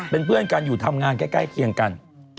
เป็นเพื่อนกันอยู่ทำงานใกล้เคียงกัน